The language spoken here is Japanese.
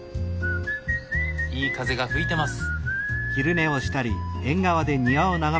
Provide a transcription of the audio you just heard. いい風が吹いてます。